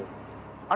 あれ？